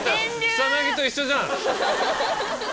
草薙と一緒じゃん。